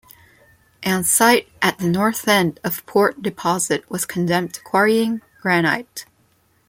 An site at the north end of Port Deposit was condemned to quarrying granite.